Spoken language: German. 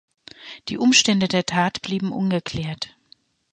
Die Umstände der Tat blieben ungeklärt.